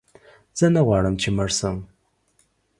زه نه غواړم چې مړ شم.